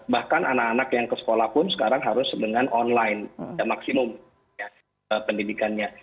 bahkan anak anak yang ke sekolah pun sekarang harus dengan online maksimum pendidikannya